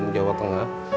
iya dari tusan